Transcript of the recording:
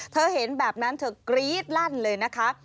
เธอเห็นแบบนั้นเธอกรี๊ดลั่นเลยนะคะ